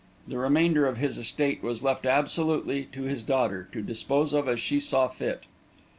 The remainder of his estate was left absolutely to his daughter, to dispose of as she saw fit.